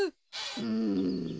うん。